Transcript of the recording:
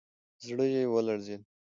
زړه يې ولړزېد.